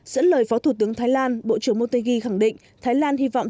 dẫn lời phó thủ tướng thái lan bộ trưởng motegi khẳng định thái lan hy vọng